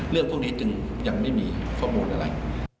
เรื่องพวกนี้จึงยังไม่มีข้อมูลอะไร